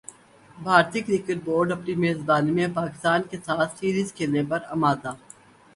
بھارتی cricket board اپنی میزبانی میں پاکستان کیساتھ سیریز کھیلنے پر مادہ